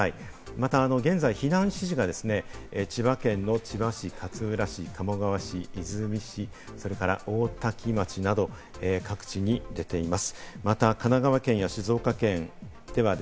また現在、避難指示が千葉県の千葉市、勝浦市、鴨川市、いすみ市、それから大多喜町など、各地に出ています。